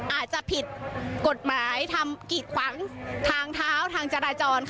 อาจจะผิดกฎหมายทำกิดขวางทางเท้าทางจราจร